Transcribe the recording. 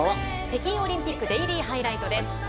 北京オリンピックデイリーハイライトです。